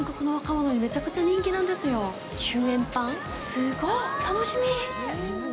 すごい楽しみ。